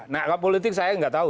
nah politik saya gak tahu